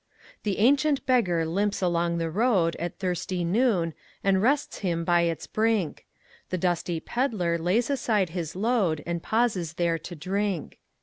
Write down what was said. The ancient beggar limps along the roadAt thirsty noon, and rests him by its brink; The dusty pedlar lays aside his load, And pauses there to drink.